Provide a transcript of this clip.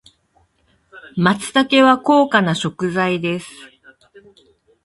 松茸は高価な食材です。